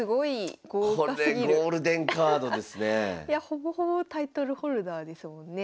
ほぼほぼタイトルホルダーですもんね。